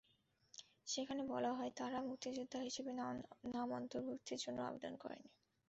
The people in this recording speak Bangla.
সেখানে বলা হয়, তাঁরা মুক্তিযোদ্ধা হিসেবে নাম অন্তর্ভুক্তির জন্য আবেদন করেননি।